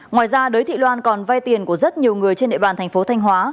ngoài ra đới thị loan còn vay tiền của rất nhiều người trên địa bàn thành phố thanh hóa